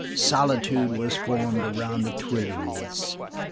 Solitude was formed around the Tuileries.